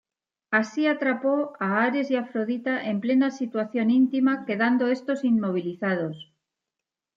Así atrapó a Ares y Afrodita en plena situación íntima, quedando estos inmovilizados.